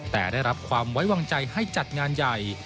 แต่ได้รับความไว้วางใจให้จัดงานใหญ่